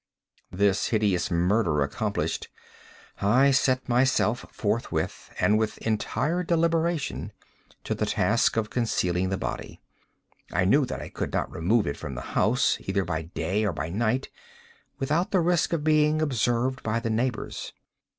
This hideous murder accomplished, I set myself forthwith, and with entire deliberation, to the task of concealing the body. I knew that I could not remove it from the house, either by day or by night, without the risk of being observed by the neighbors.